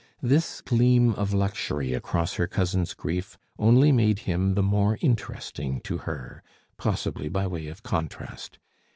This gleam of luxury across her cousin's grief only made him the more interesting to her, possibly by way of contrast.